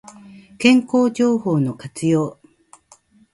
健康情報の活用